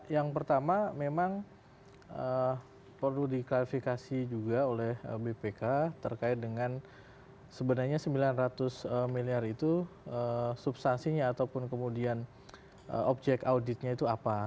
yang pertama memang perlu diklarifikasi juga oleh bpk terkait dengan sebenarnya sembilan ratus miliar itu substansinya ataupun kemudian objek auditnya itu apa